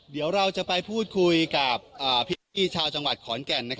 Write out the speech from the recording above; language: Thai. เดี๋ยวเราจะไปพูดคุยกับผู้ชมชาวขอนแก่น